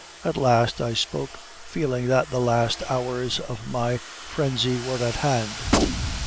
At last I spoke, feeling that the last hours of my frenzy were at hand.